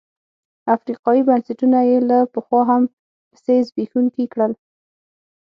افریقايي بنسټونه یې له پخوا هم پسې زبېښونکي کړل.